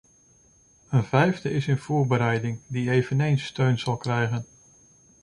Een vijfde is in voorbereiding, die eveneens steun zal krijgen.